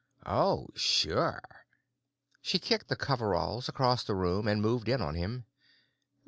"Oh, sure." She kicked the coveralls across the room and moved in on him.